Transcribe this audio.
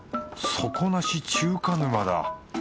底なし中華沼だ。